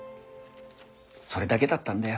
それだけだったんだよ。